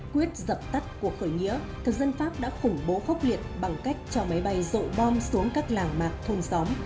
quyết dập tắt cuộc khởi nghĩa thực dân pháp đã khủng bố khốc liệt bằng cách cho máy bay rộ bom xuống các làng mạc thôn xóm